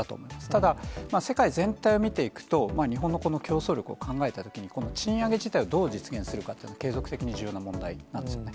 ただ、世界全体を見ていくと、日本のこの競争力を考えたときに、この賃上げ自体をどう実現するかというのは継続的に重要な問題なんですよね。